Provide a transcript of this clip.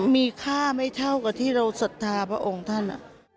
มีค่าไม่เท่ากับที่เราศรัทธาพระองค์ท่าน